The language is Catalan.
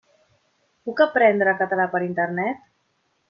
Puc aprendre català per Internet?